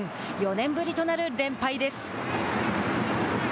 ４年ぶりとなる連敗です。